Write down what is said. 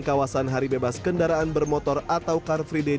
kawasan hari bebas kendaraan bermotor atau car free day